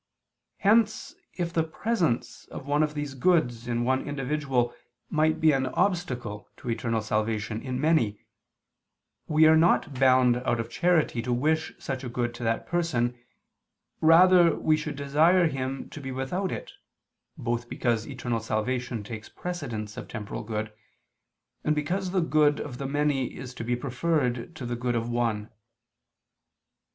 Hence if the presence of one of these goods in one individual might be an obstacle to eternal salvation in many, we are not bound out of charity to wish such a good to that person, rather should we desire him to be without it, both because eternal salvation takes precedence of temporal good, and because the good of the many is to be preferred to the good of one.